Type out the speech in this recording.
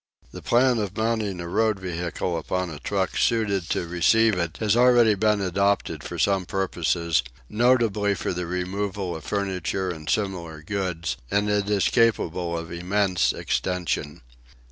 The plan of mounting a road vehicle upon a truck suited to receive it has already been adopted for some purposes, notably for the removal of furniture and similar goods; and it is capable of immense extension.